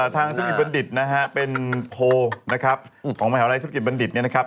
ทางธุรกิจบัณฑิตนะฮะเป็นโพลนะครับของมหาวิทยาลัยธุรกิจบัณฑิตเนี่ยนะครับ